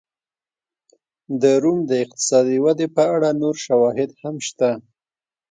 د روم د اقتصادي ودې په اړه نور شواهد هم شته.